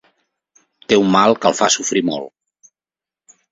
Té un mal que el fa sofrir molt.